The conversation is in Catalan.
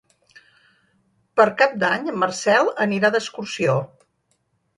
Per Cap d'Any en Marcel anirà d'excursió.